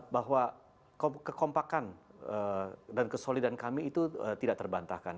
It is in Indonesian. bahwa kekompakan dan kesolidan kami itu tidak terbantahkan